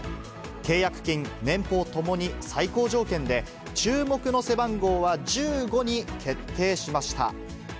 契約金、年俸ともに最高条件で、注目の背番号は１５に決定しました。